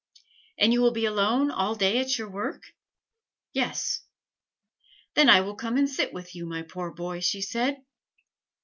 "And you will be alone all day at your work?" "Yes." "Then I will come and sit with you, my poor boy," she said.